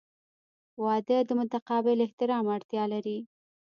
• واده د متقابل احترام اړتیا لري.